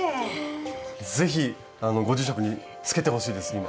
ぜひご住職につけてほしいです今。